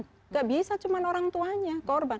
tidak bisa cuma orang tuanya korban